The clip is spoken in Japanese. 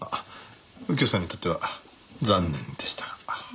右京さんにとっては残念でしたが。